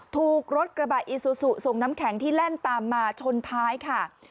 ถูกรถกระบะอีซูซูส่งน้ำแข็งที่แล่นตามมาชนท้ายค่ะ